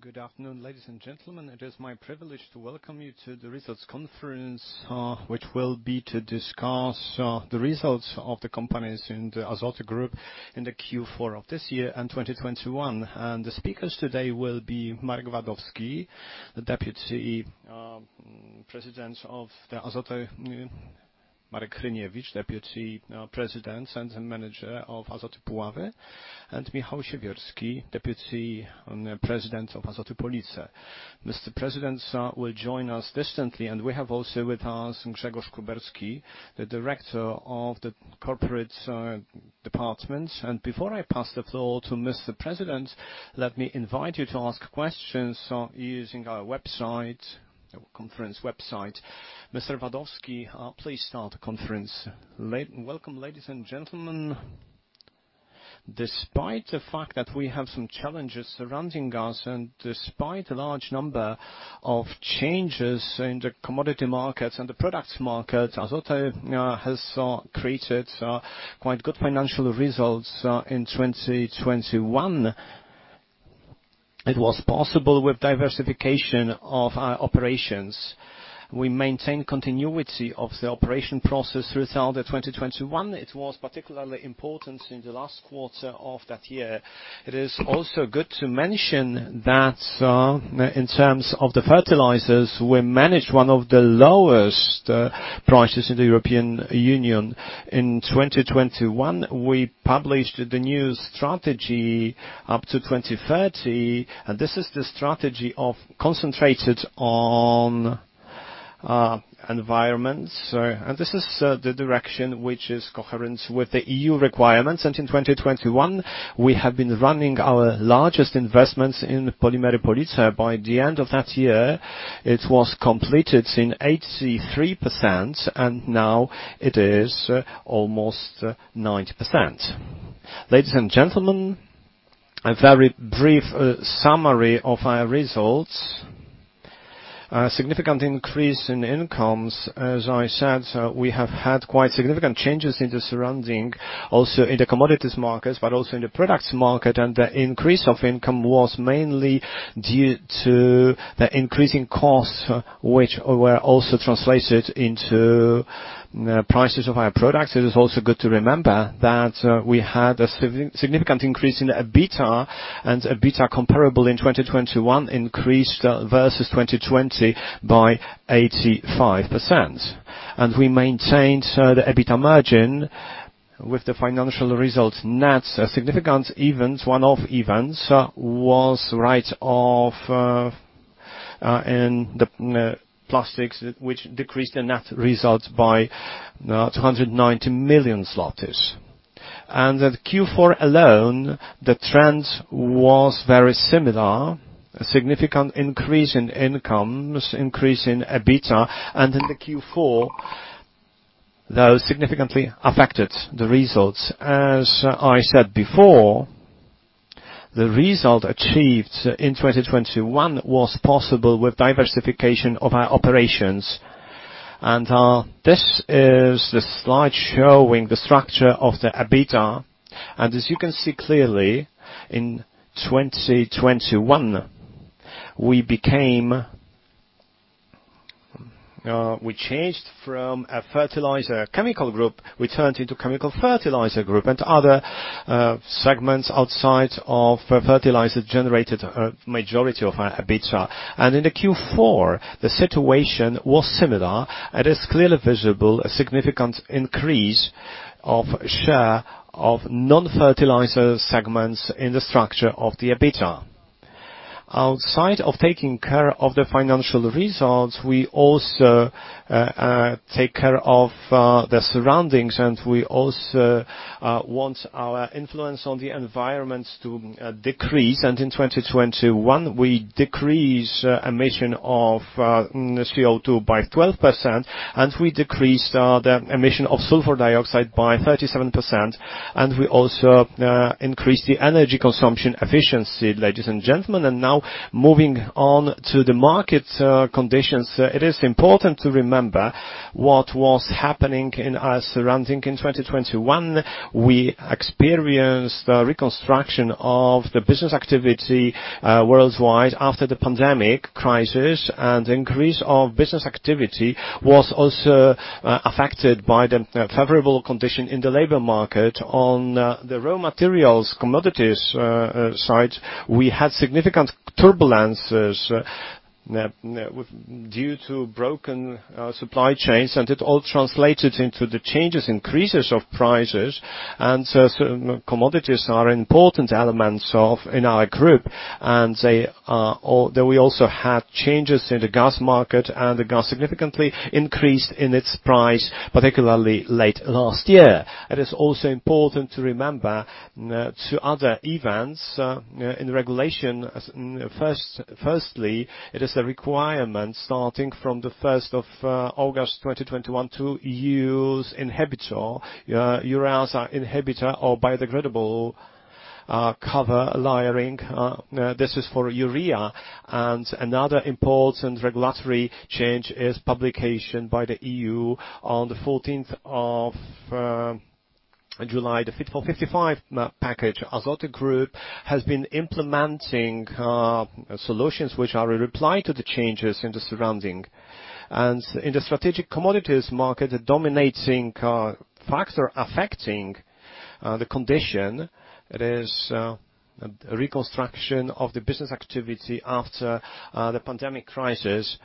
Good afternoon, ladies and gentlemen. It is my privilege to welcome you to the results conference, which will be to discuss the results of the companies in the Azoty Group in the Q4 of this year and 2021. The speakers today will be Marek Wadowski, the Deputy President of Grupa Azoty, Tomasz Hryniewicz, Deputy President and President of [Grupa] Azoty Puławy, and Michał Siewierski, Deputy President of [Grupa] Azoty Police. Mr. Presidents will join us distantly, and we have also with us Grzegorz Kuberski, the Director of Corporate Controlling. Before I pass the floor to Mr. President, let me invite you to ask questions using our website, our conference website. Mr. Wadowski, please start the conference. Welcome, ladies and gentlemen. Despite the fact that we have some challenges surrounding us, and despite the large number of changes in the commodity markets and the product markets, Azoty has created quite good financial results in 2021. It was possible with diversification of our operations. We maintained continuity of the operation process throughout 2021. It was particularly important in the last quarter of that year. It is also good to mention that in terms of the fertilizers, we managed one of the lowest prices in the European Union. In 2021, we published the new strategy up to 2030, and this is the strategy concentrated on environments. This is the direction which is coherent with the E.U. requirements. In 2021, we have been running our largest investments in Polimery Police. By the end of that year, it was completed in 83%, and now it is almost 90%. Ladies and gentlemen, a very brief summary of our results. A significant increase in incomes. As I said, we have had quite significant changes in the surrounding, also in the commodities markets, but also in the products market. The increase of income was mainly due to the increasing costs, which were also translated into the prices of our products. It is also good to remember that, we had a significant increase in EBITDA, and EBITDA comparable in 2021 increased versus 2020 by 85%. We maintained the EBITDA margin with the financial results net. A significant event, one of events, was write-off in the plastics, which decreased the net results by 290 million zlotys. At Q4 alone, the trend was very similar. A significant increase in incomes, increase in EBITDA. In the Q4, those significantly affected the results. As I said before, the result achieved in 2021 was possible with diversification of our operations. This is the slide showing the structure of the EBITDA. As you can see clearly, in 2021, we became, we changed from a fertilizer chemical group. We turned into chemical fertilizer group, and other segments outside of fertilizers generated a majority of our EBITDA. In the Q4, the situation was similar. It is clearly visible, a significant increase of share of non-fertilizer segments in the structure of the EBITDA. Outside of taking care of the financial results, we also take care of the surroundings, and we also want our influence on the environments to decrease. In 2021, we decrease emission of CO2 by 12%, and we decreased the emission of sulfur dioxide by 37%. We also increased the energy consumption efficiency, ladies and gentlemen. Now moving on to the market conditions. It is important to remember what was happening in our surroundings in 2021. We experienced the reconstruction of the business activity worldwide after the pandemic crisis. The increase of business activity was also affected by the favorable conditions in the labor market. On the raw materials commodities side, we had significant turbulences due to broken supply chains, and it all translated into the changes, increases of prices. Commodities are important elements within our group. We also had changes in the gas market, and the gas significantly increased in its price, particularly late last year. It is also important to remember two other events in regulation. First, it is a requirement starting from the 1st of August 2021 to use inhibitor, urease inhibitor or biodegradable cover layering. This is for urea. Another important regulatory change is publication by the E.U. on the 14th of July, the Fit for 55 package. Grupa Azoty has been implementing solutions which are a reply to the changes in the surrounding. In the strategic commodities market, the dominating factor affecting the condition is a reconstruction of the business activity after the pandemic crisis.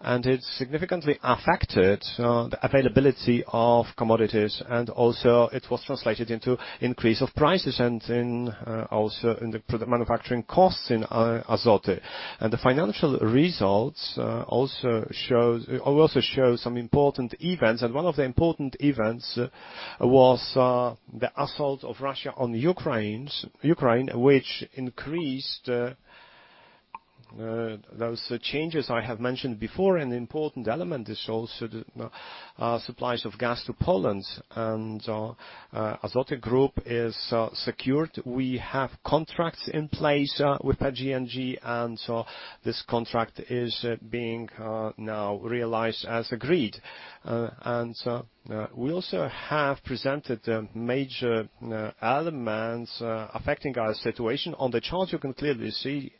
It significantly affected the availability of commodities, and also it was translated into increase of prices and also in the product manufacturing costs in Azoty. The financial results also show some important events. One of the important events was the assault of Russia on Ukraine, which increased those changes I have mentioned before. An important element is also the supplies of gas to Poland and Azoty Group is secured. We have contracts in place with PGNiG, and so this contract is being now realized as agreed. We also have presented the major elements affecting our situation. On the chart, you can clearly see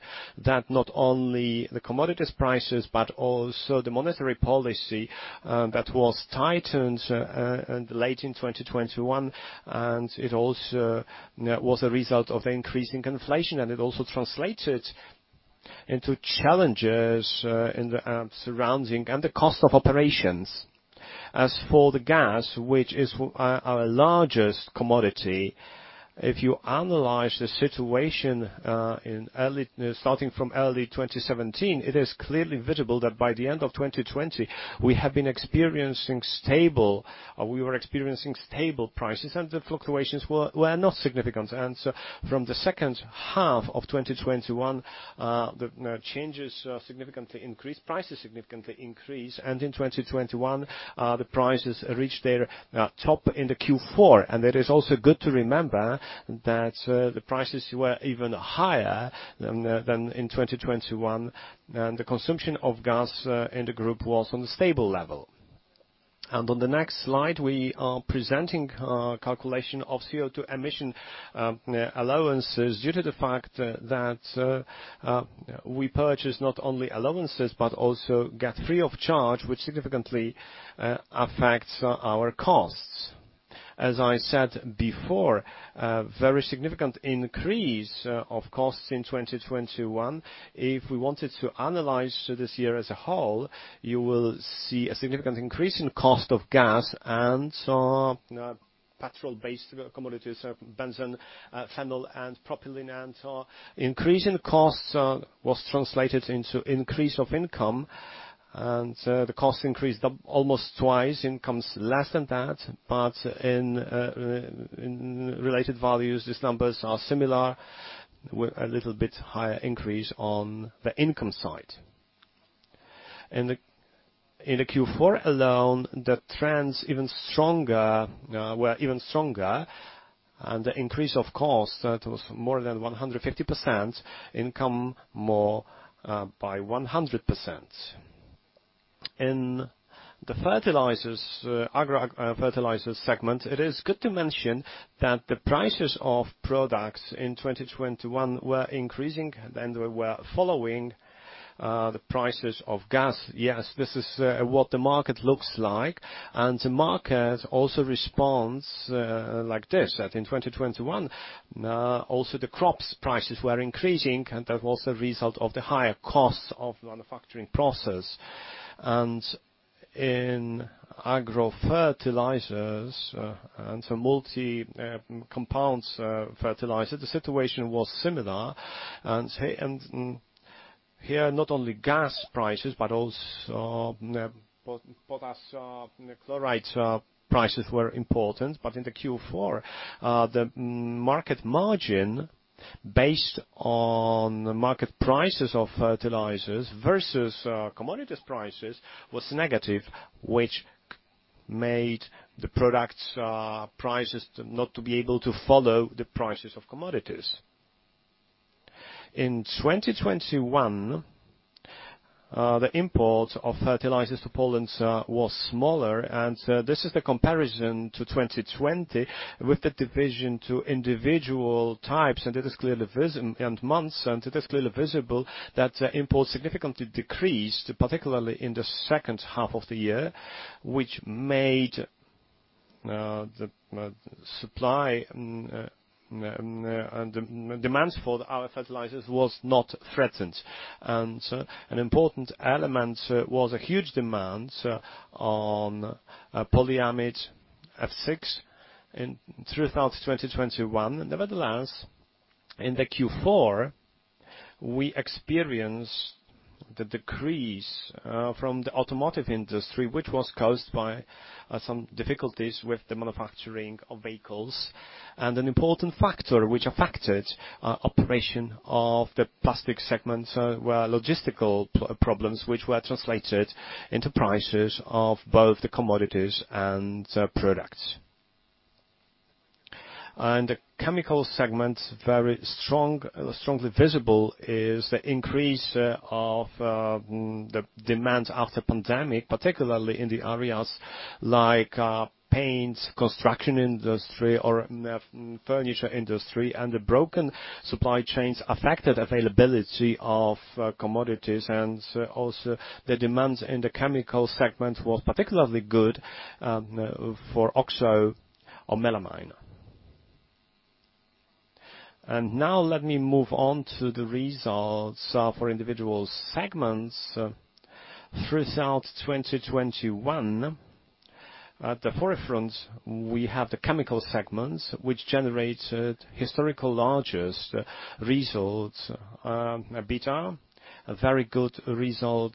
that not only the commodities prices, but also the monetary policy that was tightened late in 2021, and it also was a result of increasing inflation, and it also translated into challenges in the environment and the cost of operations. As for the gas, which is our largest commodity, if you analyze the situation in early, starting from early 2017, it is clearly visible that by the end of 2020, we were experiencing stable prices and the fluctuations were not significant. From the second half of 2021, the changes significantly increased. Prices significantly increased. In 2021, the prices reached their top in the Q4. It is also good to remember that the prices were even higher than in 2021. The consumption of gas in the group was on a stable level. On the next slide we are presenting calculation of CO2 emission allowances due to the fact that we purchase not only allowances but also get free of charge, which significantly affects our costs. As I said before, a very significant increase of costs in 2021. If we wanted to analyze this year as a whole, you will see a significant increase in cost of gas and petrol-based commodities, so benzene, phenol and propylene. Increase in costs was translated into increase of income. The cost increased almost twice, income's less than that. In related values, these numbers are similar with a little bit higher increase on the income side. In the Q4 alone, the trends were even stronger. The increase of cost was more than 150%, income more by 100%. In the fertilizers—fertilizers segment, it is good to mention that the prices of products in 2021 were increasing, and they were following the prices of gas. Yes, this is what the market looks like. The market also responds like this. That in 2021 also the crops prices were increasing, and that was a result of the higher cost of the manufacturing process. In agro fertilizers and so multi compounds fertilizer, the situation was similar. Here and here, not only gas prices, but also potassium chloride prices were important. In the Q4, the market margin based on market prices of fertilizers versus commodities prices was negative, which made the products prices not to be able to follow the prices of commodities. In 2021, the import of fertilizers to Poland was smaller, and this is the comparison to 2020 with the division to individual types. It is clearly visible that imports significantly decreased, particularly in the second half of the year, which made the supply and demand for our fertilizers was not threatened. An important element was a huge demand on polyamide [PA6] throughout 2021. Nevertheless, in the Q4, we experienced the decrease from the automotive industry, which was caused by some difficulties with the manufacturing of vehicles. An important factor which affected operation of the plastic segment were logistical problems which were translated into prices of both the commodities and products. The chemical segment, very strong, strongly visible is the increase of the demand after pandemic, particularly in the areas like paints, construction industry or furniture industry. The broken supply chains affected availability of commodities and also the demands in the chemical segment was particularly good for oxo or melamine. Now let me move on to the results for individual segments throughout 2021. At the forefront, we have the chemical segments which generated historical largest results EBITDA. A very good result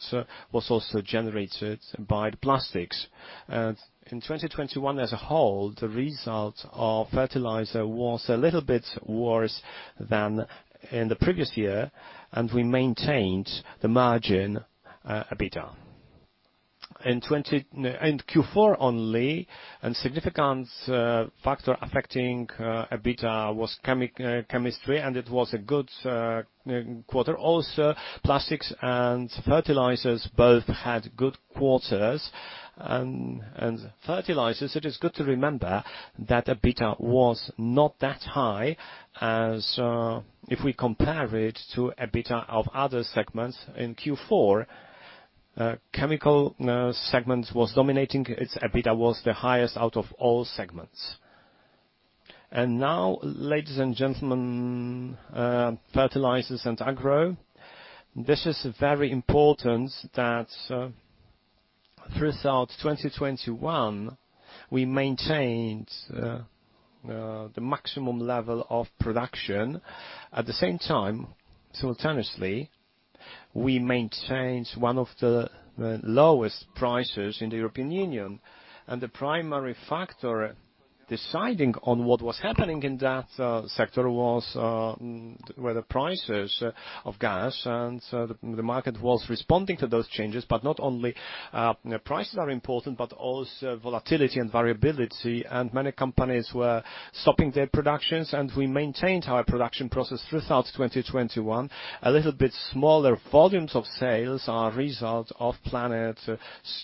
was also generated by the plastics. In 2021 as a whole, the result of Fertilizers was a little bit worse than in the previous year, and we maintained the margin, EBITDA. In Q4 only, and significant factor affecting EBITDA was [Chemical], and it was a good quarter. Also, Plastics and Fertilizers both had good quarters and Fertilizers, it is good to remember that EBITDA was not that high as if we compare it to EBITDA of other segments. In Q4, Chemical segment was dominating, its EBITDA was the highest out of all segments. Now, ladies and gentlemen, Fertilizers and Agro. This is very important that throughout 2021 we maintained the maximum level of production. At the same time, simultaneously, we maintained one of the lowest prices in the European Union. The primary factor deciding on what was happening in that sector were the prices of gas. The market was responding to those changes. Not only prices are important, but also volatility and variability. Many companies were stopping their productions, and we maintained our production process throughout 2021. A little bit smaller volumes of sales are a result of planned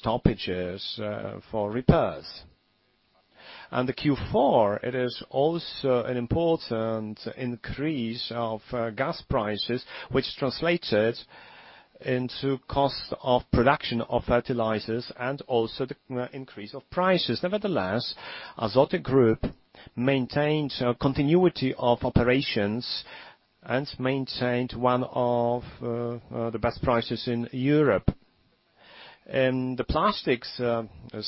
stoppages for repairs. The Q4, it is also an important increase of gas prices which translated into cost of production of fertilizers and also the increase of prices. Nevertheless, Azoty Group maintained continuity of operations and maintained one of the best prices in Europe. In the Plastics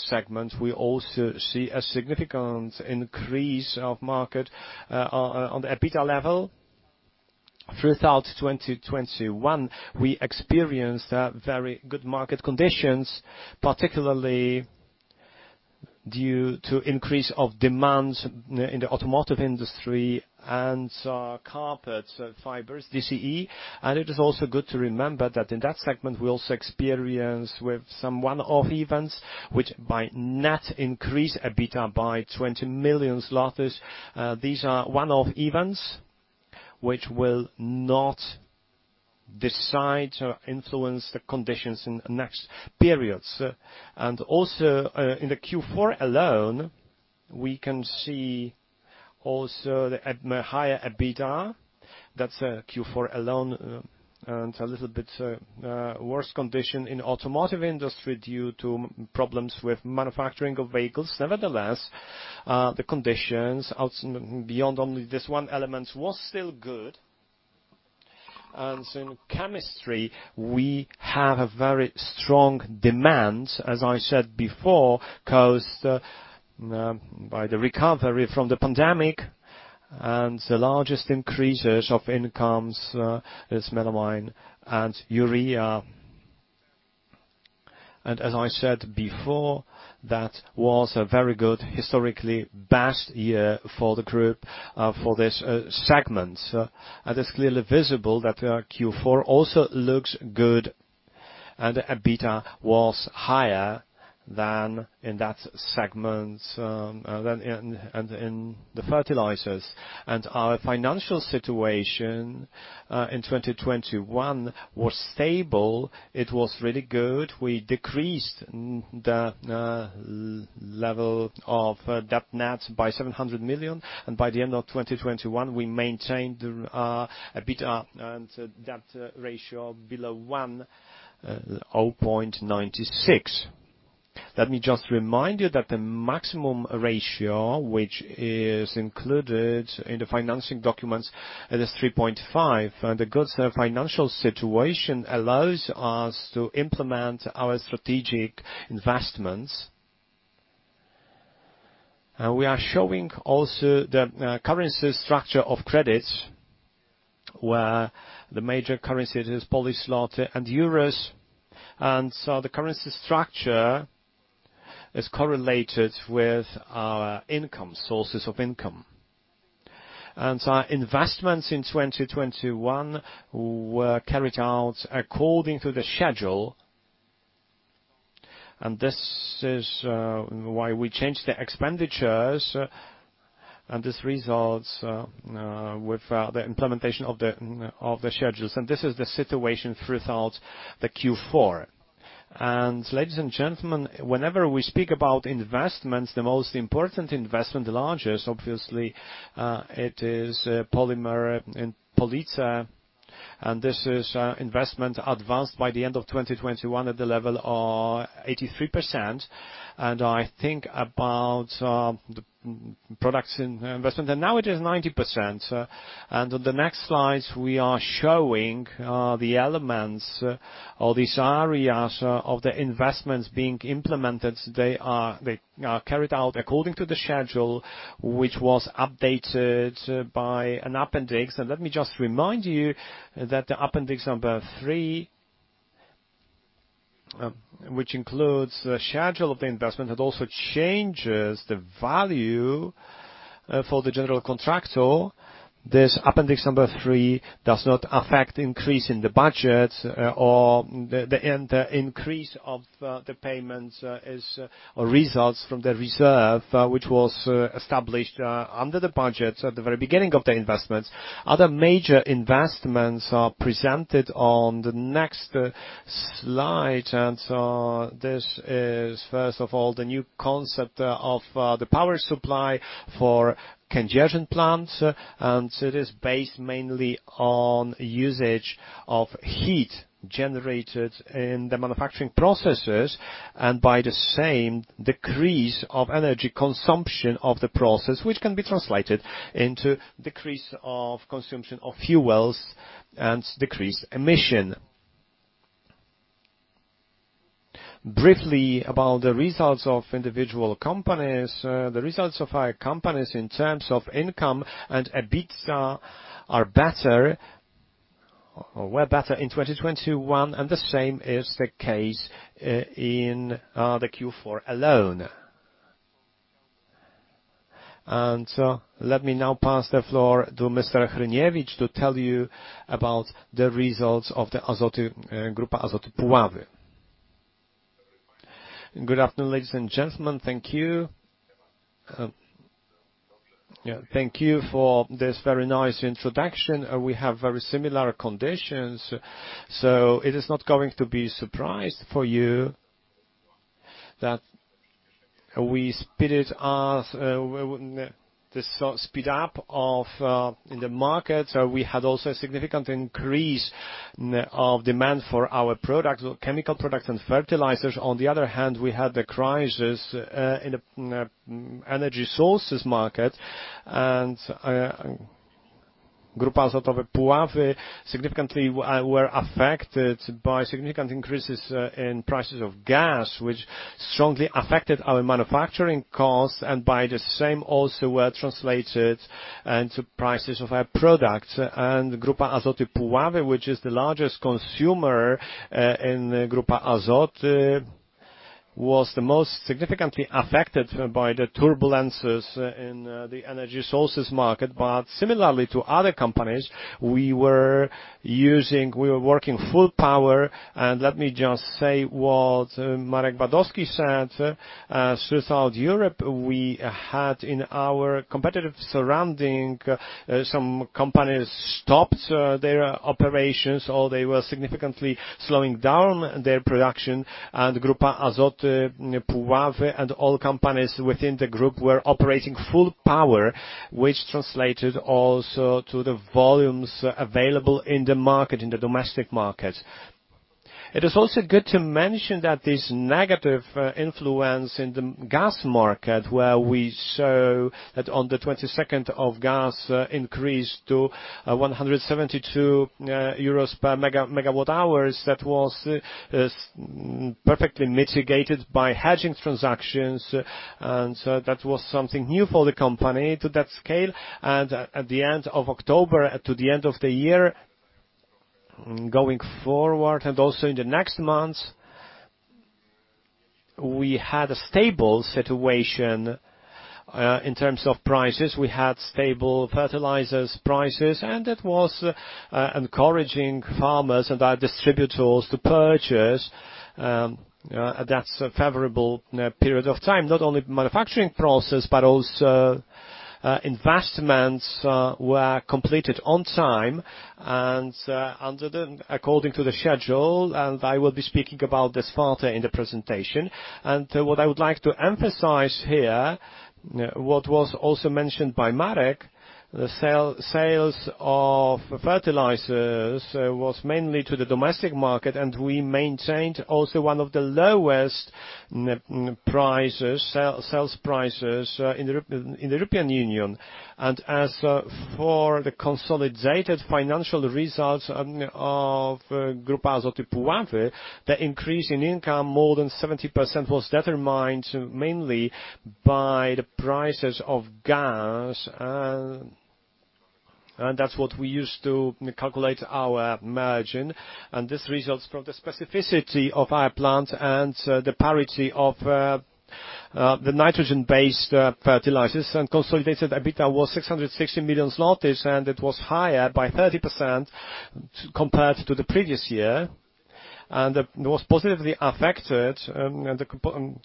segment, we also see a significant increase of market on the EBITDA level. Throughout 2021 we experienced very good market conditions, particularly due to increase of demands in the automotive industry and carpet fibers, DCE. It is also good to remember that in that segment, we also experienced some one-off events which by net increased EBITDA by 20 million. These are one-off events which will not decide or influence the conditions in the next periods. In Q4 alone, we can see also the higher EBITDA. That's Q4 alone and a little bit worse condition in automotive industry due to problems with manufacturing of vehicles. Nevertheless, the conditions out beyond only this one element were still good. In chemistry we have a very strong demand, as I said before, caused by the recovery from the pandemic, and the largest increases of incomes are melamine and urea. As I said before, that was a very good historically best year for the group, for this segment. It's clearly visible that our Q4 also looks good and EBITDA was higher than in that segment, than in the Fertilizers. Our financial situation in 2021 was stable. It was really good. We decreased the level of net debt by 700 million. By the end of 2021 we maintained EBITDA and debt ratio below 1.96x. Let me just remind you that the maximum ratio which is included in the financing documents is 3.5x. The good financial situation allows us to implement our strategic investments. We are showing also the currency structure of credits, where the major currency is Polish zloty and euros. The currency structure is correlated with our income, sources of income. Our investments in 2021 were carried out according to the schedule. This is why we changed the expenditures and this results with the implementation of the schedules. This is the situation throughout the Q4. Ladies and gentlemen, whenever we speak about investments, the most important investment, the largest, obviously, it is Polimery Police, and this is investment advanced by the end of 2021 at the level of 83%. I think about the progress in investment, and now it is 90%. On the next slides, we are showing the elements or these areas of the investments being implemented. They are carried out according to the schedule, which was updated by an appendix. Let me just remind you that the appendix number three, which includes the schedule of the investment, it also changes the value for the general contractor. This appendix number three does not affect increase in the budget or the increase of the payments as it results from the reserve, which was established under the budget at the very beginning of the investment. Other major investments are presented on the next slide. This is, first of all, the new concept of the power supply for [cogeneration] plants. It is based mainly on usage of heat generated in the manufacturing processes, and by the same decrease of energy consumption of the process, which can be translated into decrease of consumption of fuels and decreased emissions. Briefly about the results of individual companies. The results of our companies in terms of income and EBITDA are better or were better in 2021, and the same is the case in the Q4 alone. Let me now pass the floor to Mr. Hryniewicz to tell you about the results of the Azoty, Grupa Azoty Puławy. Good afternoon, ladies and gentlemen. Thank you. Yeah, thank you for this very nice introduction. We have very similar conditions, so it is not going to be a surprise for you that the speed up of the market. We had also a significant increase of demand for our products, chemical products and fertilizers. On the other hand, we had the crisis in the energy sources market, and Grupa Azoty Puławy significantly were affected by significant increases in prices of gas, which strongly affected our manufacturing costs and by the same also were translated into prices of our products. Grupa Azoty Puławy, which is the largest consumer in Grupa Azoty, was the most significantly affected by the turbulences in the energy sources market. Similarly to other companies, we were working full power. Let me just say what Marek Wadowski said. Throughout Europe, we had in our competitive surrounding some companies stopped their operations or they were significantly slowing down their production. Grupa Azoty Puławy and all companies within the group were operating full power, which translated also to the volumes available in the market, in the domestic market. It is also good to mention that this negative influence in the gas market, where we show that on the 22nd gas increased to 172 euros per MWh, that was perfectly mitigated by hedging transactions. That was something new for the company to that scale. At the end of October to the end of the year, going forward and also in the next months, we had a stable situation in terms of prices. We had stable fertilizer prices, and it was encouraging farmers and our distributors to purchase at that favorable period of time. Not only manufacturing process, but also investments were completed on time and according to the schedule. I will be speaking about this further in the presentation. What I would like to emphasize here, what was also mentioned by Marek, sales of fertilizers was mainly to the domestic market. We maintained also one of the lowest prices, sales prices, in the European Union. As for the consolidated financial results of Grupa Azoty Puławy, the increase in income, more than 70% was determined mainly by the prices of gas. That's what we used to calculate our margin. This results from the specificity of our plant and the parity of the nitrogen-based fertilizers and consolidated EBITDA was 660 million, and it was higher by 30% compared to the previous year. It was positively affected, the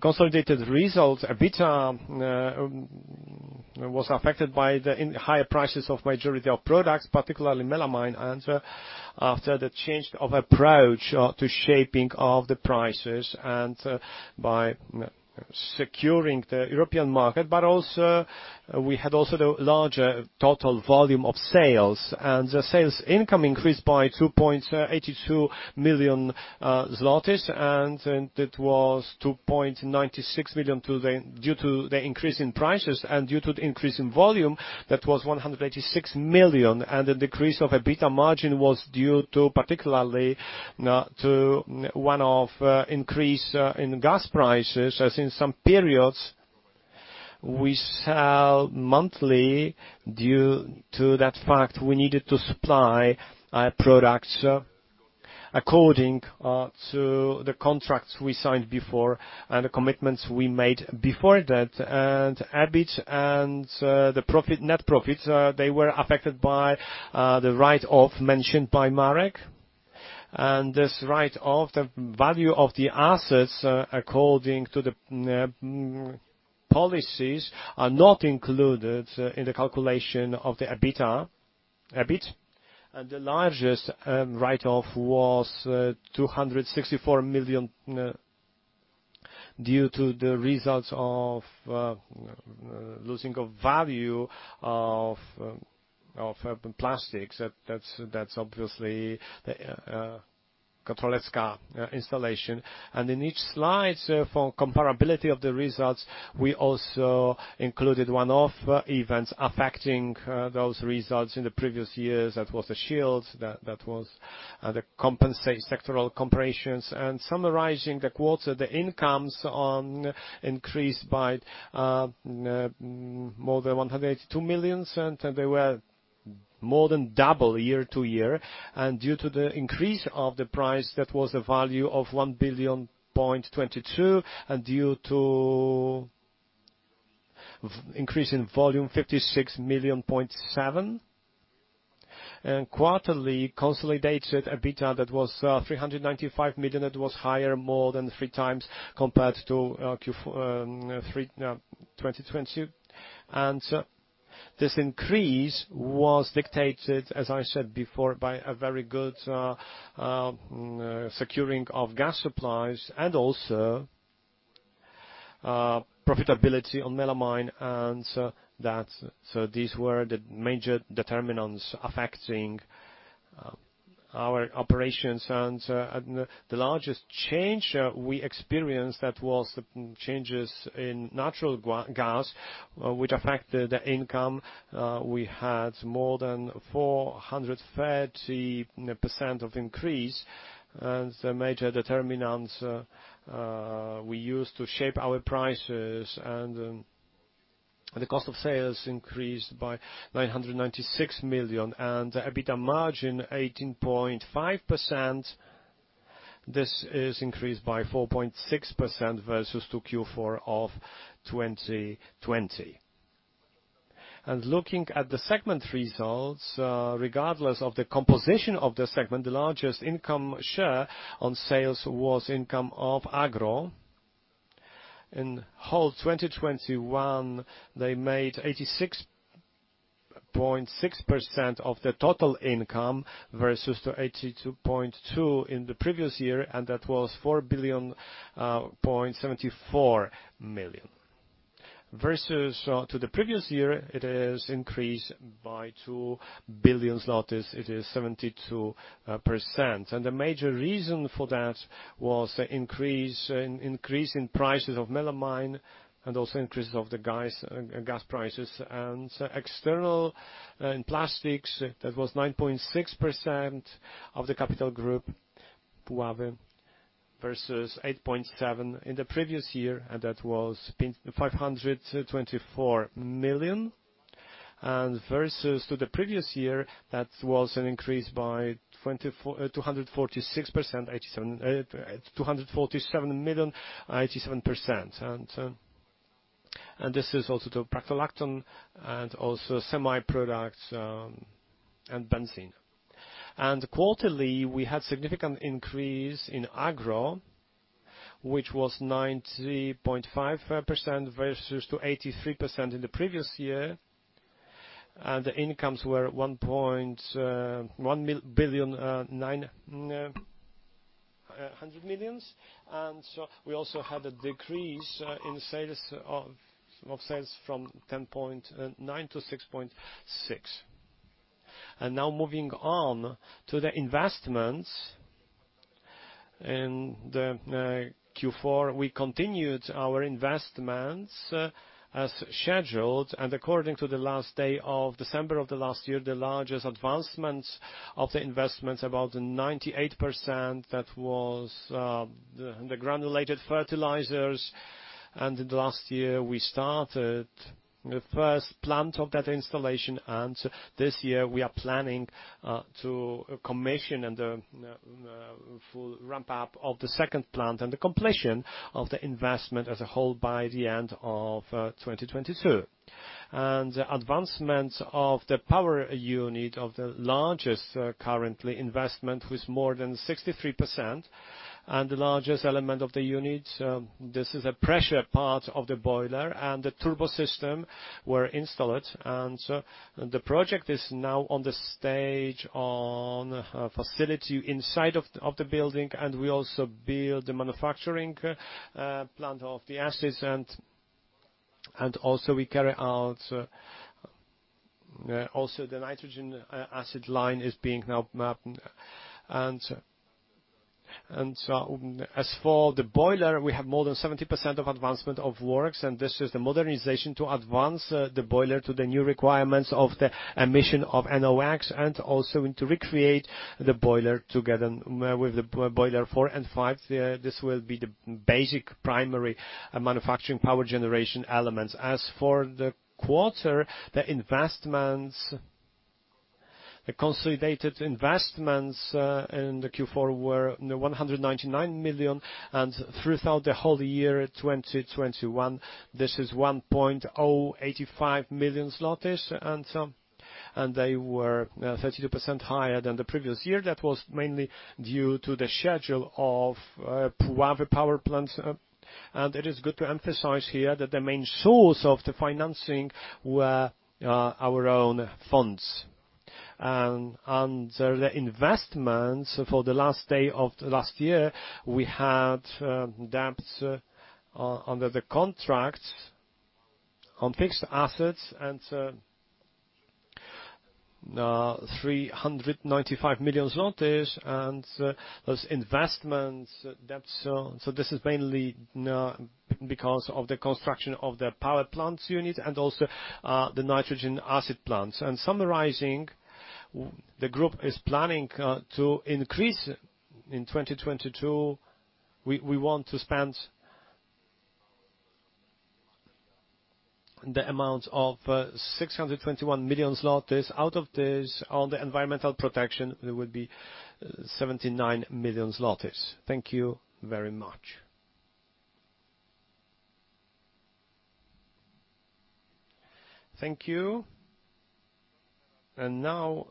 consolidated results, EBITDA, was affected by the higher prices of majority of products, particularly melamine. After the change of approach to shaping of the prices and by securing the European market, but also we had the larger total volume of sales. The sales income increased by 2.82 million zlotys, and it was 2.96 million due to the increase in prices and due to the increase in volume that was 186 million. The decrease of EBITDA margin was due to particularly to one-off increase in gas prices, as in some periods we sell monthly due to that fact we needed to supply products according to the contracts we signed before and the commitments we made before that. EBIT and the profit, net profits, they were affected by the write off mentioned by Marek. This write-off, the value of the assets according to the policies are not included in the calculation of the EBITDA, EBIT. The largest write-off was 264 million due to the results of losing of value of plastics. That's obviously caprolactam installation. In each slide, so for comparability of the results, we also included one-off events affecting those results in the previous years. That was the sales, that was the compensation, sectoral compensations. Summarizing the quarter, the incomes increased by more than 182 million, and they were more than double year-over-year. Due to the increase of the price, that was a value of 1.22 billion, and due to increase in volume, 56.7 million. Quarterly consolidated EBITDA, that was 395 million. It was higher more than three times compared to Q4 of 2020. This increase was dictated, as I said before, by a very good securing of gas supplies and also profitability on melamine and that. These were the major determinants affecting our operations. The largest change we experienced that was changes in natural gas which affected the income. We had more than 430% of increase and the major determinants we used to shape our prices and the cost of sales increased by 996 million. EBITDA margin 18.5%, this is increased by 4.6% versus Q4 of 2020. Looking at the segment results, regardless of the composition of the segment, the largest income share on sales was income of Agro. In whole 2021, they made 86.6% of the total income versus 82.2% in the previous year, and that was 4.074 billion. Versus to the previous year, it is increased by 2 billion. It is 72%. The major reason for that was the increase in prices of melamine and also increases of the gas prices. In Plastics, that was 9.6% of the Capital Group Puławy versus 8.7% in the previous year and that was 524 million. Versus the previous year, that was an increase by 24, 246%, 247 million, 87%. This is also the caprolactam and also semi products, and benzene. Quarterly, we had significant increase in Agro, which was 90.5% versus 83% in the previous year. The incomes were 1.9 billion. We also had a decrease in sales from 10.9 to 6.6. Now moving on to the investments. In the Q4, we continued our investments as scheduled. According to the last day of December of the last year, the largest advancements of the investments, about 98%, that was the granulated fertilizers. In the last year, we started the first plant of that installation. This year we are planning to commission and the full ramp up of the second plant and the completion of the investment as a whole by the end of 2022. Advancements of the power unit of the largest currently investment with more than 63% and the largest element of the unit, this is a pressure part of the boiler and the turbo system were installed. The project is now on the stage on a facility inside of the building. We also build the manufacturing plant of the assets. We carry out also the nitric acid line is being now mapped. As for the boiler, we have more than 70% of advancement of works. This is the modernization to advance the boiler to the new requirements of the emission of NOx and also to recreate the boiler together with the boiler 4 and 5. This will be the basic primary manufacturing power generation elements. As for the quarter, the investments, the consolidated investments, in the Q4 were 199 million. Throughout the whole year, 2021, this is 1.085 million zlotys. They were 32% higher than the previous year. That was mainly due to the schedule of Puławy power plants. It is good to emphasize here that the main source of the financing were our own funds. The investments for the last day of last year, we had debts under the contracts on fixed assets and PLN 395 million and those investments debts. This is mainly because of the construction of the power plants unit and also the [nitric] acid plants. Summarizing, the group is planning to increase in 2022. We want to spend the amount of 621 million. Out of this, on the environmental protection, there will be 79 million. Thank you very much. Thank you. Now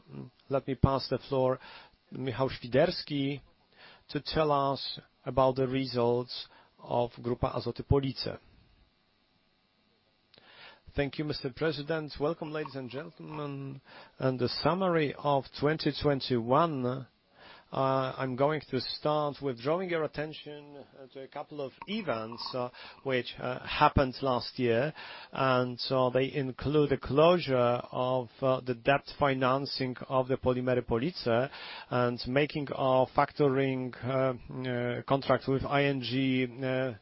let me pass the floor to Michał Siewierski to tell us about the results of Grupa Azoty Police. Thank you, Mr. President. Welcome, ladies and gentlemen. The summary of 2021, I'm going to start with drawing your attention to a couple of events which happened last year, they include the closure of the debt financing of the Polimery Police and making our factoring contract with ING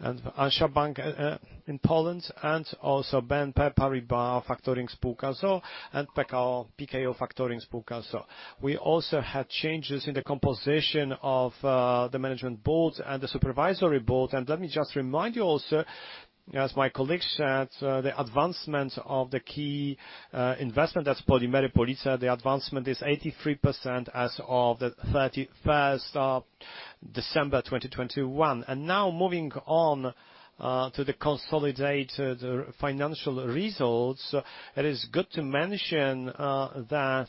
and mBank in Poland and also BNP Paribas Faktoring [Sp. z o.o.] And Pekao Faktoring Faktoring [Sp. z o.o.]. We also had changes in the composition of the management board and the supervisory board. Let me just remind you also, as my colleague said, the advancement of the key investment as Polimery Police, the advancement is 83% as of the 31st of December 2021. Now moving on to the consolidated financial results, it is good to mention that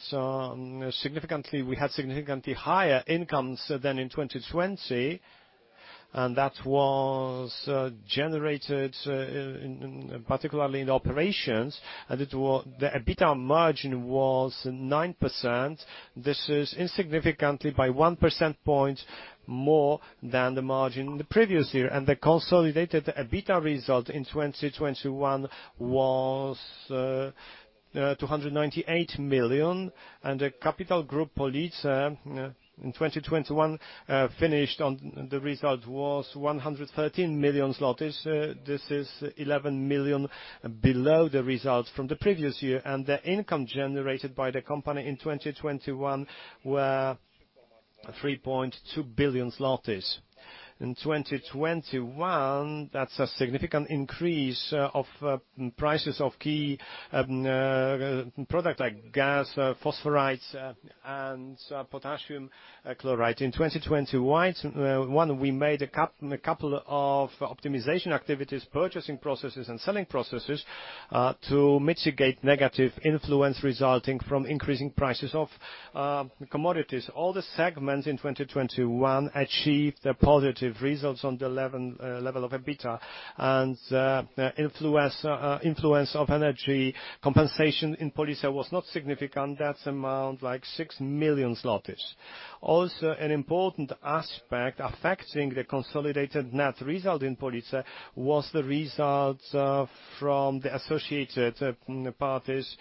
significantly we had significantly higher incomes than in 2020, and that was generated in particularly in operations. The EBITDA margin was 9%. This is insignificantly by 1 percentage point more than the margin the previous year. The consolidated EBITDA result in 2021 was 298 million. The Grupa Azoty Police in 2021 finished on the result was 113 million zlotys. This is 11 million below the results from the previous year. The income generated by the company in 2021 were PLN 3.2 billion. In 2021, that's a significant increase of prices of key product like gas, phosphorites and potassium chloride. In 2021, we made a couple of optimization activities, purchasing processes and selling processes, to mitigate negative influence resulting from increasing prices of commodities. All the segments in 2021 achieved positive results on the level of EBITDA and influence of energy compensation in Police was not significant. That's an amount like 6 million. Also an important aspect affecting the consolidated net result in Police was the results from the associated parties.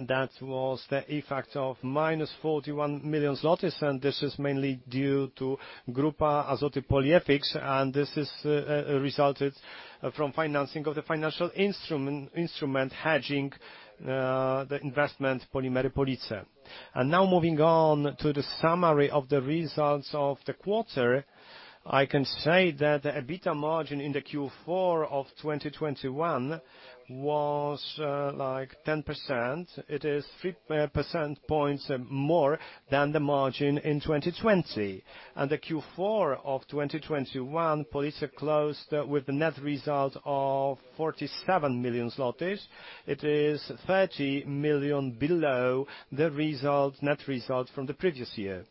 That was the effect of -41 million zlotys, and this is mainly due to Grupa Azoty Polyolefins, and this resulted from financing of the financial instrument hedging the investment Polimery Police. Now moving on to the summary of the results of the quarter, I can say that the EBITDA margin in the Q4 of 2021 was like 10%. It is 3 percentage points more than the margin in 2020. The Q4 of 2021, Police closed with a net result of 47 million zlotys. It is 30 million below the net result from the previous year.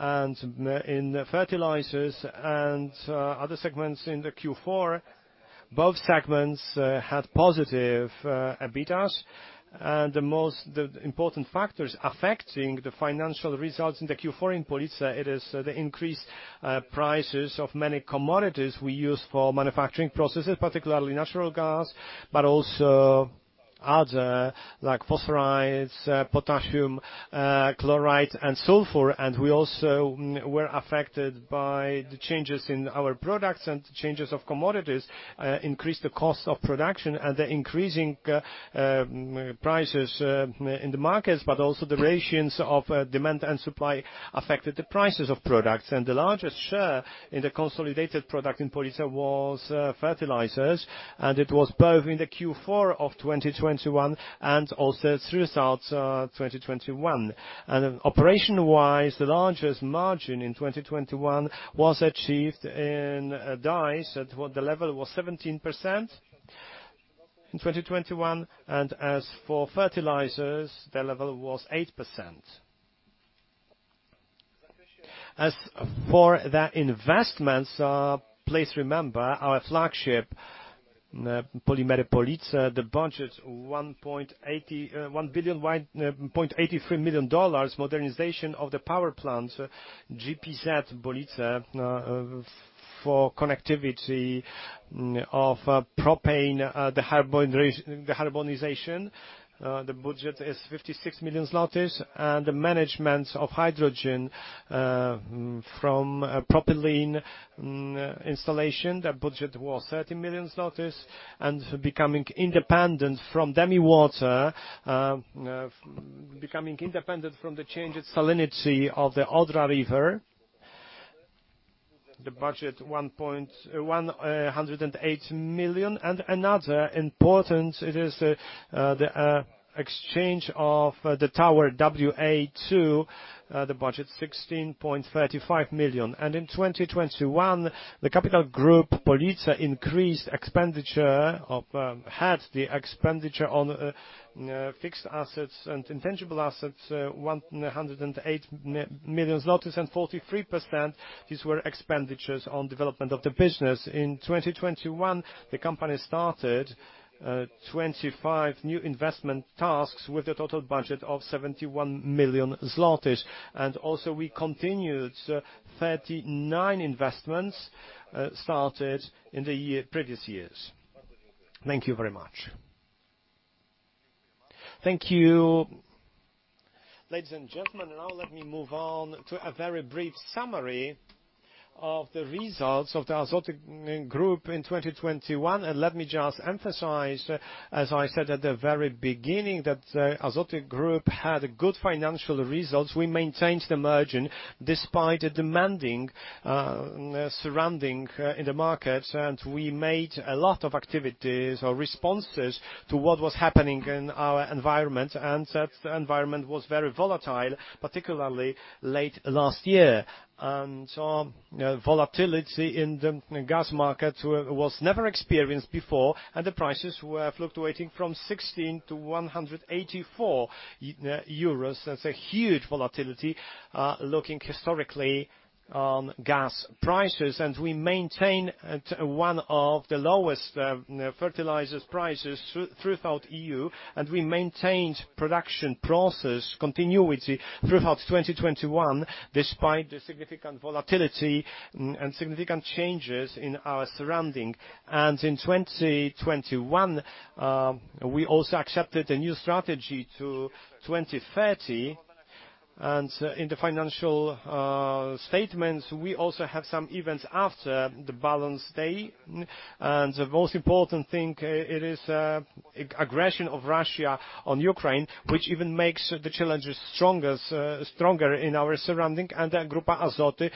In fertilizers and other segments in the Q4, both segments had positive EBITDA. The most important factors affecting the financial results in the Q4 in Police, it is the increased prices of many commodities we use for manufacturing processes, particularly natural gas, but also other like phosphorites, potassium chloride, and sulfur. We also were affected by the changes in our products and the changes of commodities increased the cost of production and the increasing prices in the markets, but also the ratios of demand and supply affected the prices of products. The largest share in the consolidated product in Police was fertilizers, and it was both in the Q4 of 2021 and also throughout 2021. Operation-wise, the largest margin in 2021 was achieved in dyes, the level was 17% in 2021, and as for fertilizers, the level was 8%. As for the investments, please remember our flagship Polimery Police, the budget $1.8 billion, modernization of the power plant, GPZ Police, for connectivity of propane, the decarbonization. The budget is 56 million. The management of hydrogen from a propylene installation, the budget was 30 million. Becoming independent from demi water, becoming independent from the changing salinity of the Odra River, the budget 108 million. Another important, it is, the exchange of the tower WA2, the budget 16.35 million. In 2021, the Grupa Azoty Police had the expenditure on fixed assets and intangible assets, 108 million zlotys and 43%, these were expenditures on development of the business. In 2021, the company started 25 new investment tasks with a total budget of 71 million zlotys. We continued 39 investments started in previous years. Thank you very much. Thank you, ladies and gentlemen. Now let me move on to a very brief summary of the results of Grupa Azoty in 2021. Let me just emphasize, as I said at the very beginning, that Grupa Azoty had good financial results. We maintained the margin despite the demanding surrounding in the market. We made a lot of activities or responses to what was happening in our environment. That environment was very volatile, particularly late last year. Volatility in the gas market was never experienced before, and the prices were fluctuating from 16-184 euros. That's a huge volatility looking historically on gas prices. We maintain at one of the lowest fertilizers prices throughout E.U., and we maintained production process continuity throughout 2021 despite the significant volatility and significant changes in our surrounding. In 2021, we also accepted a new strategy to 2030. In the financial statements, we also have some events after the balance sheet date. The most important thing, it is aggression of Russia on Ukraine, which even makes the challenges stronger in our surrounding. The Grupa Azoty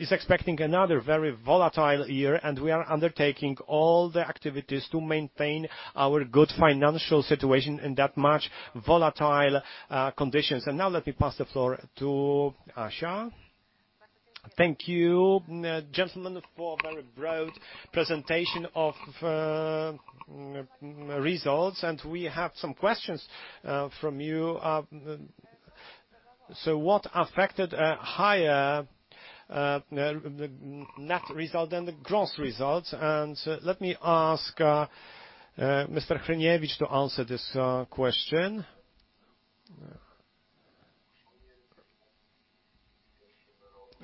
is expecting another very volatile year, and we are undertaking all the activities to maintain our good financial situation in that much volatile conditions. Now let me pass the floor to Asha. Thank you, gentlemen, for a very broad presentation of results. We have some questions from you. What affected a higher net result than the gross results? Let me ask Mr. Hryniewicz to answer this question.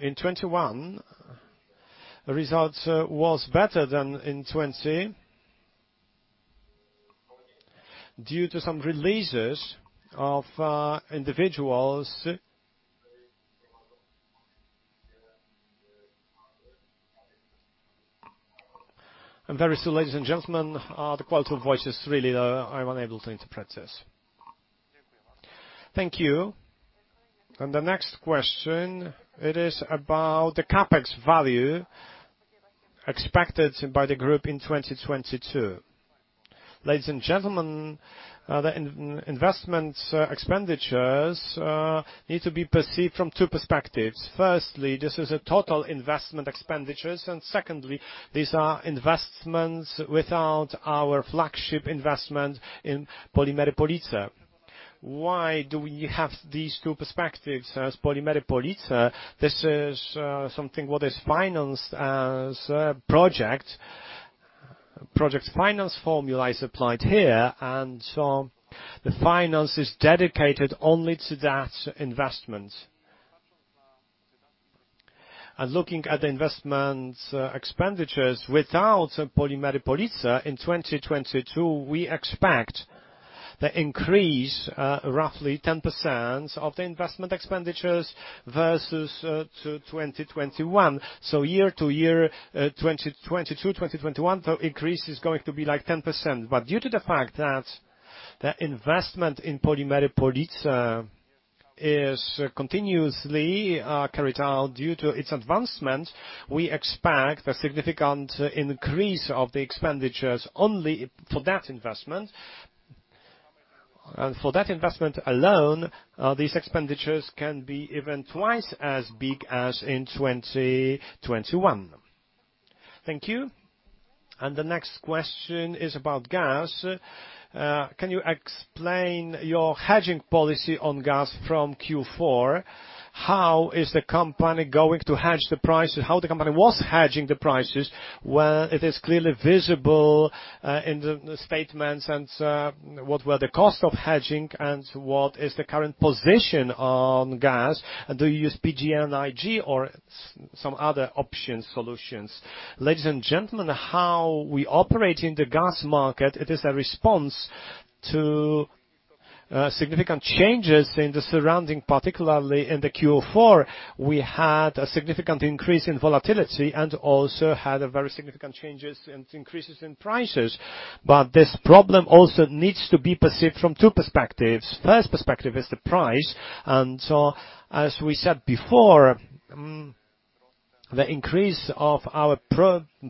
In 2021, the results was better than in 2020 due to some releases of individuals. Very soon ladies and gentlemen, the quality of voice is really, I'm unable to interpret this. Thank you. The next question, it is about the CapEx value expected by the group in 2022. Ladies and gentlemen, the investment expenditures need to be perceived from two perspectives. Firstly, this is a total investment expenditures, and secondly, these are investments without our flagship investment in Polimery Police. Why do we have these two perspectives as Polimery Police? This is something what is financed as a project. Project finance formula is applied here, and so the finance is dedicated only to that investment. Looking at the investment expenditures without Polimery Police in 2022, we expect the increase, roughly 10% of the investment expenditures versus to 2021. Year-to-year, 2022, 2021, the increase is going to be, like, 10%. But due to the fact that the investment in Polimery Police is continuously carried out due to its advancement, we expect a significant increase of the expenditures only for that investment. For that investment alone, these expenditures can be even twice as big as in 2021. Thank you. The next question is about gas. Can you explain your hedging policy on gas from Q4? How is the company going to hedge the price? How the company was hedging the prices, where it is clearly visible in the statements and what were the costs of hedging, and what is the current position on gas? Do you use PGNiG or some other option solutions? Ladies and gentlemen, how we operate in the gas market, it is a response to significant changes in the surroundings. Particularly in the Q4, we had a significant increase in volatility and also had a very significant changes and increases in prices. This problem also needs to be perceived from two perspectives. First perspective is the price. As we said before, the increase of our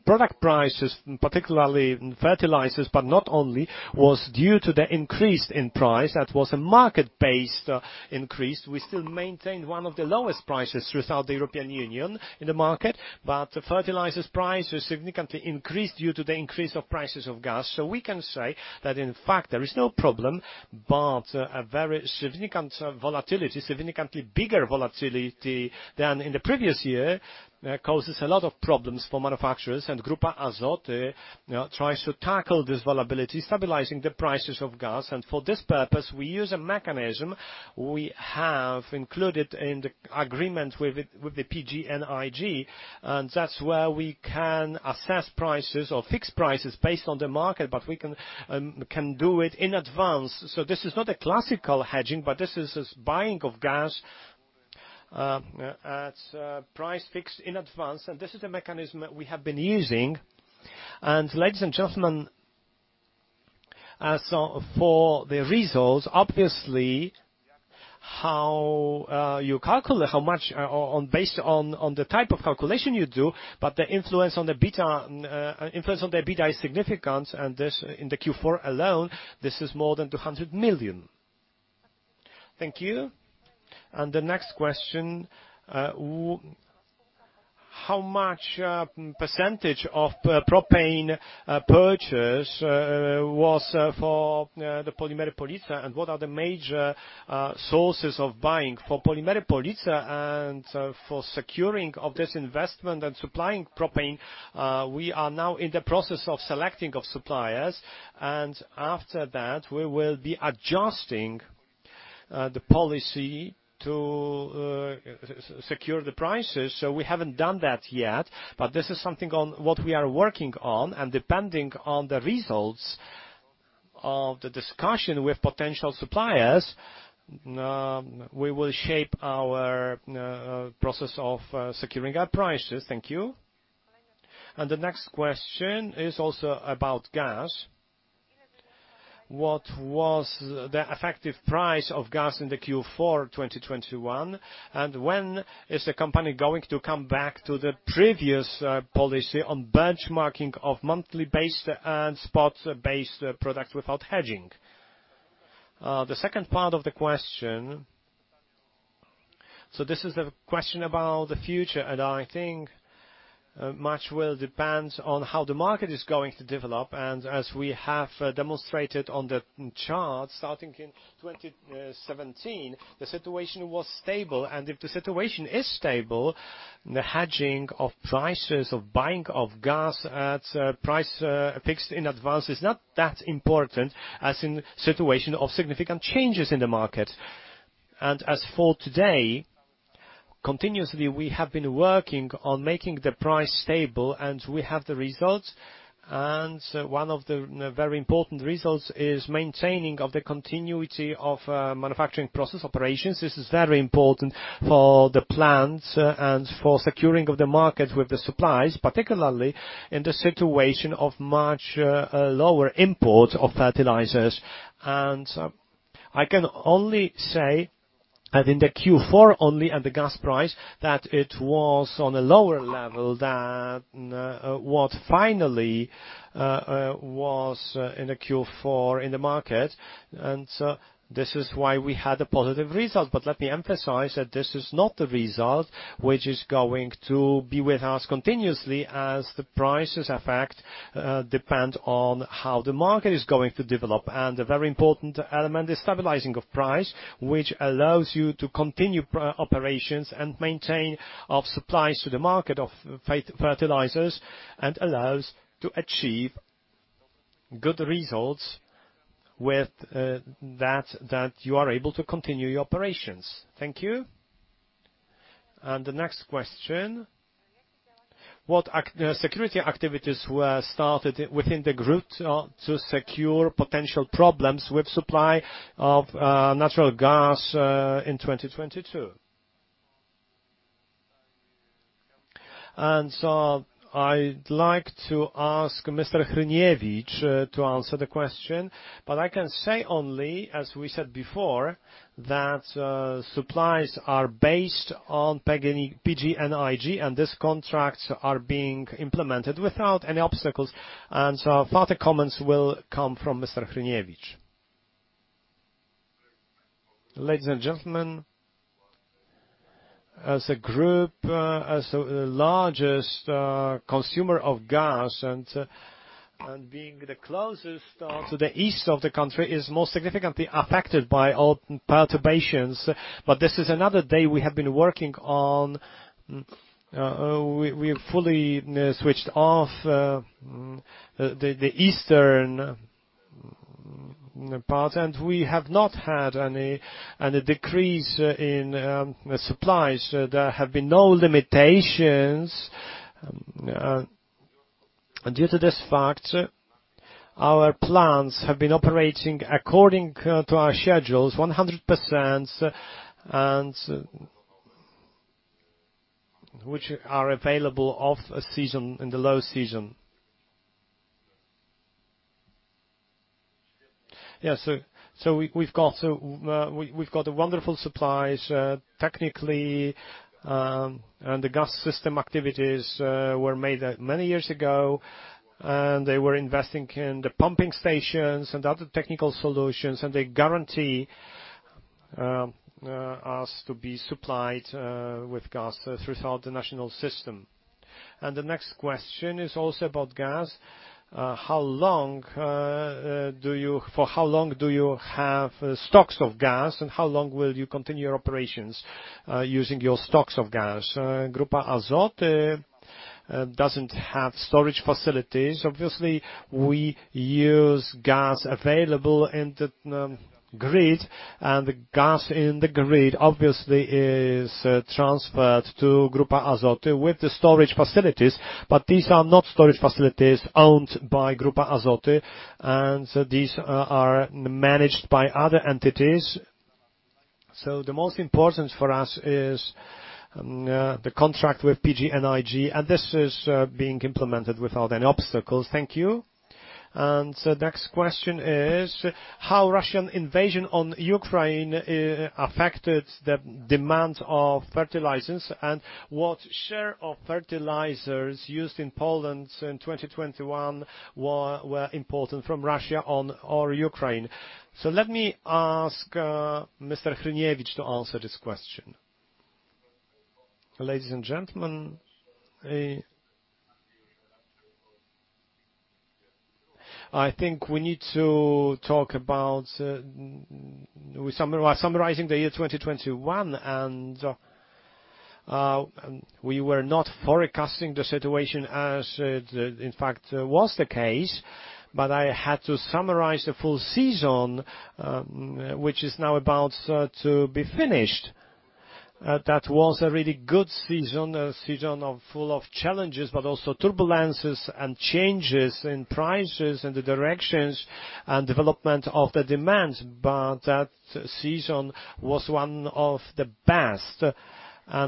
product prices, particularly in fertilizers, but not only, was due to the increase in price. That was a market-based increase. We still maintained one of the lowest prices throughout the European Union in the market, but the fertilizers price was significantly increased due to the increase of prices of gas. We can say that in fact there is no problem, but a very significant volatility, significantly bigger volatility than in the previous year, causes a lot of problems for manufacturers. Grupa Azoty tries to tackle this volatility, stabilizing the prices of gas. For this purpose, we use a mechanism we have included in the agreement with the PGNiG, and that's where we can assess prices or fix prices based on the market, but we can do it in advance. This is not a classical hedging, but this is buying of gas at price fixed in advance, and this is the mechanism that we have been using. Ladies and gentlemen, for the results, obviously, the influence on the EBITDA is significant, and this in the Q4 alone is more than 200 million. Thank you. The next question: How much percentage of propane purchase was for the Polimery Police, and what are the major sources of buying for Polimery Police? For securing of this investment and supplying propane, we are now in the process of selecting of suppliers, and after that, we will be adjusting the policy to secure the prices. We haven't done that yet, but this is something on what we are working on. Depending on the results of the discussion with potential suppliers, we will shape our process of securing our prices. Thank you. The next question is also about gas. What was the effective price of gas in the Q4 2021? When is the company going to come back to the previous policy on benchmarking of monthly-based and spot-based products without hedging? The second part of the question, so this is the question about the future, and I think much will depend on how the market is going to develop. As we have demonstrated on the chart, starting in 2017, the situation was stable. If the situation is stable, the hedging of prices of buying of gas at a price fixed in advance is not that important as in situation of significant changes in the market. Continuously, we have been working on making the price stable, and we have the results. One of the very important results is maintaining of the continuity of manufacturing process operations. This is very important for the plants and for securing of the market with the supplies, particularly in the situation of much lower import of fertilizers. I can only say that in the Q4 only, and the gas price, that it was on a lower level than what finally was in the Q4 in the market. This is why we had a positive result. Let me emphasize that this is not the result which is going to be with us continuously as the prices depend on how the market is going to develop. A very important element is stabilizing of price, which allows you to continue operations and maintain of supplies to the market of fertilizers and allows to achieve good results with that you are able to continue your operations. Thank you. The next question, what security activities were started within the group to secure potential problems with supply of natural gas in 2022? I'd like to ask Mr. Hryniewicz to answer the question, but I can say only, as we said before, that supplies are based on PGNiG, and these contracts are being implemented without any obstacles. Further comments will come from Mr. Hryniewicz. Ladies and gentlemen, as a group, as the largest consumer of gas and being the closest to the east of the country is most significantly affected by all perturbations. This is another day we have been working on, we fully switched off the Eastern part and we have not had any decrease in supplies. There have been no limitations due to this fact, our plants have been operating according to our schedules 100%, and which are available off-season, in the low season. Yeah. We've got wonderful supplies, technically, and the gas system activities were made many years ago, and they were investing in the pumping stations and other technical solutions, and they guarantee us to be supplied with gas throughout the national system. The next question is also about gas. How long do you have stocks of gas, and how long will you continue your operations, using your stocks of gas? Grupa Azoty doesn't have storage facilities. Obviously, we use gas available in the grid, and the gas in the grid obviously is transferred to Grupa Azoty with the storage facilities. But these are not storage facilities owned by Grupa Azoty, and these are managed by other entities. The most important for us is the contract with PGNiG, and this is being implemented without any obstacles. Thank you. Next question is how Russian invasion of Ukraine affected the demand for fertilizers, and what share of fertilizers used in Poland in 2021 were imported from Russia or Ukraine? So let me ask Mr. Hryniewicz to answer this question. Ladies and gentlemen, I think we need to talk about while summarizing the year 2021, and we were not forecasting the situation as it in fact was the case, but I had to summarize the full season, which is now about to be finished. That was a really good season, a season full of challenges, but also turbulences and changes in prices and the directions and development of the demand. That season was one of the best.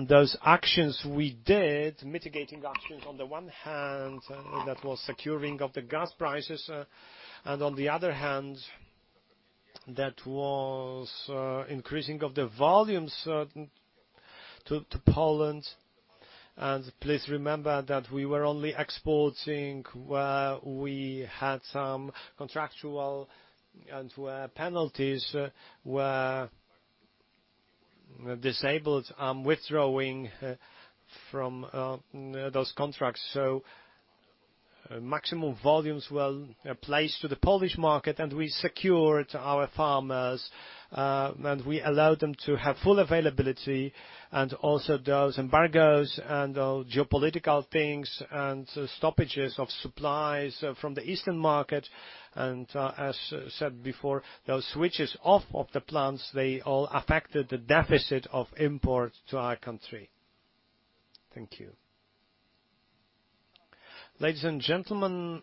Those actions we did, mitigating actions on the one hand, that was securing of the gas prices, and on the other hand, that was increasing of the volumes to Poland. Please remember that we were only exporting where we had some contractual and where penalties were disabled and withdrawing from those contracts. Maximum volumes were placed to the Polish market, and we secured our farmers, and we allowed them to have full availability. Also those embargoes and geopolitical things and stoppages of supplies from the Eastern market. As said before, those switches off of the plants, they all affected the deficit of imports to our country. Thank you. Ladies and gentlemen,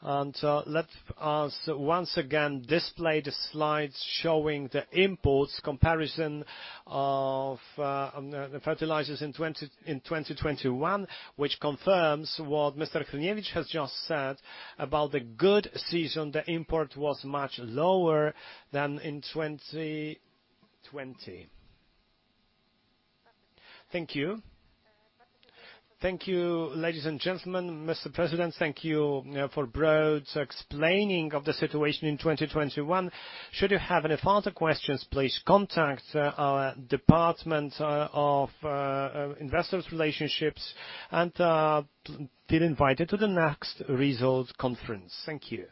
let us once again display the slides showing the imports comparison of fertilizers in 2021, which confirms what Mr. Hryniewicz has just said about the good season. The import was much lower than in 2020. Thank you. Thank you, ladies and gentlemen. Mr. President, thank you for broadly explaining of the situation in 2021. Should you have any further questions, please contact our Department of Investor Relations and feel invited to the next results conference. Thank you.